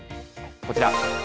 こちら。